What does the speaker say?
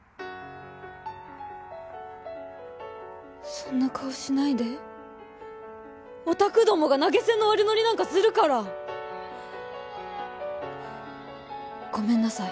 そんな顔しないでオタクどもが投げ銭の悪ノリなんかするからごめんなさい